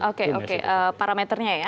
oke oke parameternya ya